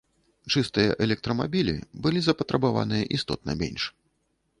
Чыстыя электрамабілі былі запатрабаваныя істотна менш.